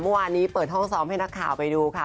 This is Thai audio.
เมื่อวานนี้เปิดห้องซ้อมให้นักข่าวไปดูค่ะ